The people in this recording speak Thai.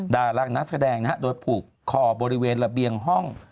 ดารางนักแสดงนะฮะโดยผูกคอบริเวณระเบียงห้อง